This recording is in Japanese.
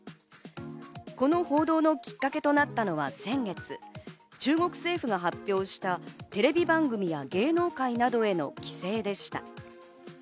この報道のきっかけとなったのは先月、中国政府が発表したテレビ番組や芸能界などへの規制でした。